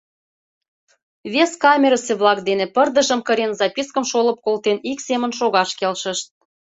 Вес камерысе-влак дене, пырдыжым кырен, запискым шолып колтен, ик семын шогаш келшышт.